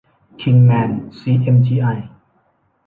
คิงส์เมน ซี เอ็ม ที ไอ